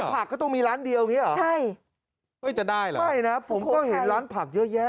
ผักก็ต้องมีร้านเดียวอย่างนี้เหรอใช่เอ้ยจะได้เหรอไม่นะผมก็เห็นร้านผักเยอะแยะ